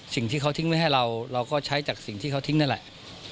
สิ่งที่เขาทิ้งไว้ให้เราเราก็ใช้จากสิ่งที่เขาทิ้งนั่นแหละ